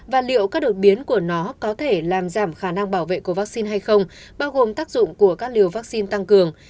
và liệu các đột biến của nó có thể làm giảm khả năng bảo vệ của vaccine hay không bao gồm tác dụng của các liều vaccine tăng cường